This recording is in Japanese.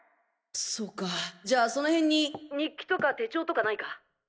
そうかじゃあそのへんに日記とか手帳とかないか？